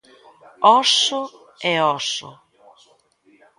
Óso e oso.